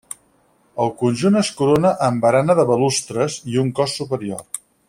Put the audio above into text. El conjunt es corona amb barana de balustres i un cos superior.